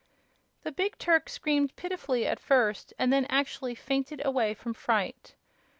The big Turk screamed pitifully at first, and then actually fainted away from fright.